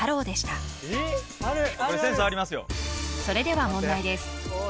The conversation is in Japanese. それでは問題です